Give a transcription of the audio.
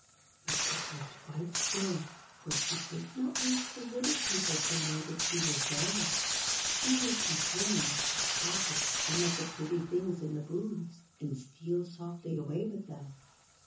But she kept quite still, for she did not wish the Little People to know that she was there. She was determined to pocket some of the pretty things in the booths, and steal softly away with them.